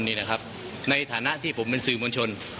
นี่นะครับในฐานะที่ผมเป็นสื่อมวลชน